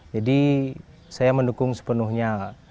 jadi saya mendukung sepenuhnya